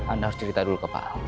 anda harus cerita dulu ke pak